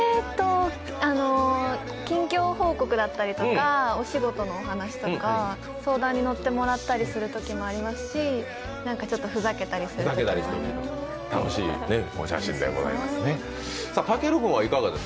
近況報告だったりとか、お仕事のお話とか、相談に乗ってもらったりするときもありますし、ふざけたりするときもあります。